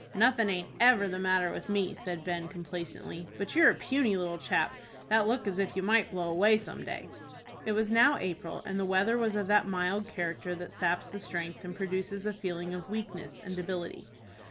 "Nothin' aint ever the matter with me," said Ben, complacently; "but you're a puny little chap, that look as if you might blow away some day." It was now April, and the weather was of that mild character that saps the strength and produces a feeling of weakness and debility.